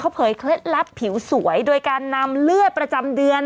เผยเคล็ดลับผิวสวยโดยการนำเลือดประจำเดือน